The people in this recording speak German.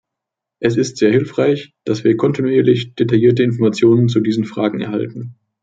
Es ist sehr hilfreich, dass wir kontinuierlich detaillierte Informationen zu diesen Fragen erhalten.